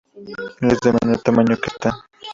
Es de menor tamaño que esta.